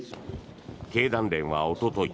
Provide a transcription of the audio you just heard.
経団連はおととい